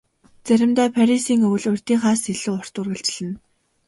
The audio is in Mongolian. Заримдаа Парисын өвөл урьдынхаас илүү урт үргэлжилнэ.